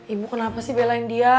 ibu kenapa sih belain dia